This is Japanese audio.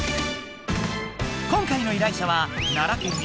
今回の依頼者は奈良県にすむ